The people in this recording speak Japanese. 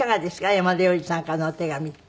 山田洋次さんからのお手紙って。